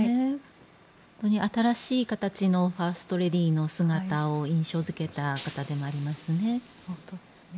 新しい形のファーストレディーの姿を印象付けた方でもありますね。